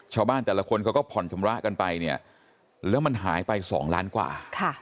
ชาวบ้านแต่ละคนเขาก็ผ่อนชำระกันไปเนี่ยแล้วมันหายไป๒ล้านกว่า